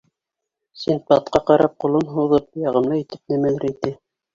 Синдбадҡа ҡарап, ҡулын һуҙып, яғымлы итеп нимәлер әйтә.